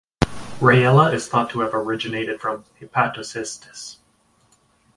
"Rayella" is thought to have originated from "Hepatocystis".